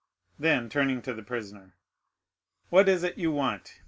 Then, turning to the prisoner, "What is it you want?"